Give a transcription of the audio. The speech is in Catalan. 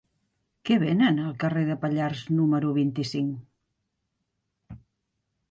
Què venen al carrer de Pallars número vint-i-cinc?